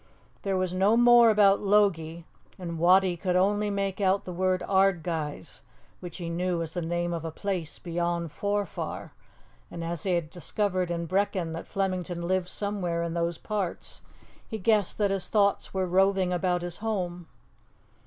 There was no more about Logie, and Wattie could only make out the word 'Ardguys,' which he knew as the name of a place beyond Forfar; and as he had discovered in Brechin that Flemington lived somewhere in those parts, he guessed that his thoughts were roving about his home.